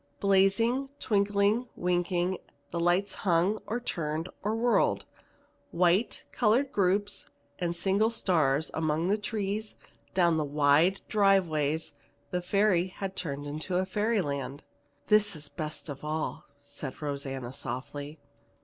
Blazing, twinkling, winking, the lights hung or turned or whirled. White, colored groups, and single stars, among the trees, down the wide drive ways, the Ferry had turned into fairyland. "This is the best of all," said Rosanna softly.